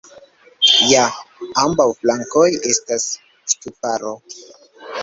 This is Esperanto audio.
Je ambaŭ flankoj estas ŝtuparo.